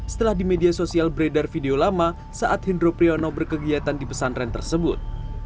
setelah di media sosial beredar video lama saat hendro priyono berkegiatan di pesantren tersebut